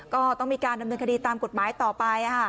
ก็ต้องมีการดำเนินคดีตามกฎหมายต่อไป